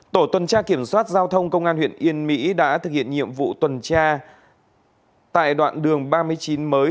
tổ tuần tra kiểm soát giao thông công an huyện yên mỹ đã thực hiện nhiệm vụ tuần tra tại đoạn đường ba mươi chín mới